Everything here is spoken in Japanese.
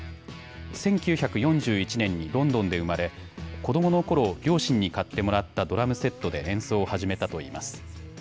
１９４１年にロンドンで生まれ子どものころ、両親に買ってもらったドラムセットで演奏を始めたといいます。